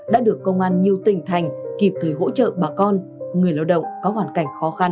đã được công an nhiều tỉnh thành kịp thời hỗ trợ bà con người lao động có hoàn cảnh khó khăn